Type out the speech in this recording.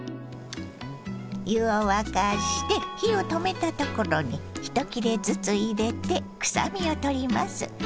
湯を沸かして火を止めたところに１切れずつ入れてくさみをとります。